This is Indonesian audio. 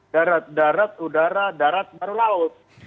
darat darat udara darat baru laut